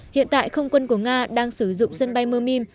hiện tại không quân của nga đang sử dụng sân bay mermim